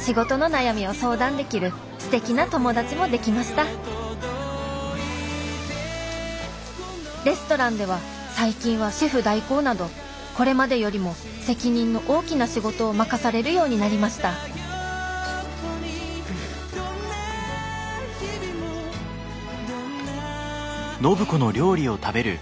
仕事の悩みを相談できるすてきな友達もできましたレストランでは最近はシェフ代行などこれまでよりも責任の大きな仕事を任されるようになりましたうん。